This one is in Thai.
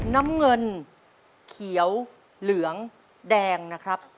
น้ำเงินเขียวเหลืองแดงนะครับ